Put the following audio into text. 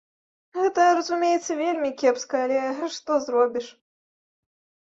Гэта, разумеецца, вельмі кепска, але што зробіш!